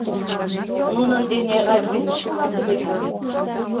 — Нунын дене разведчик улат ыле мо?